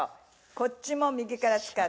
こっちも右から。